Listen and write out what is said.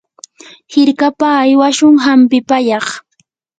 hirkapa aywashun hampi pallaq.